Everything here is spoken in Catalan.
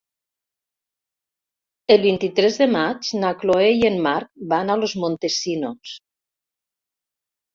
El vint-i-tres de maig na Chloé i en Marc van a Los Montesinos.